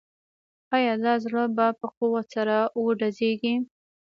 آیا دا زړه به په قوت سره ودرزیږي؟